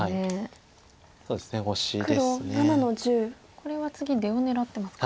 これは次出を狙ってますか。